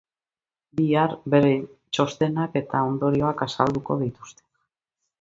Bihar, beren txostenak eta ondorioak azalduko dituzte.